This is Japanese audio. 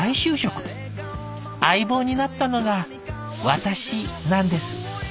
相棒になったのが私なんです」。